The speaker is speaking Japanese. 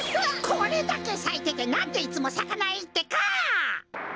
これだけさいててなんでいつもさかないってか！